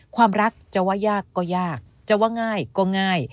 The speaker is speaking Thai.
ความรักจะว่ายากก็ยากจะว่าง่ายก็ง่าย